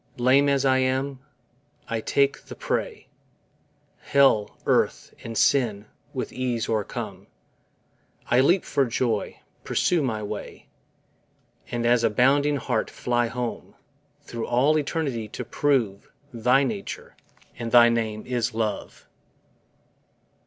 Lame as I am, I take the prey, Hell, earth, and sin with ease o'ercome; I leap for joy, pursue my way, And as a bounding hart fly home, Thro' all eternity to prove Thy nature, and thy name is LOVE.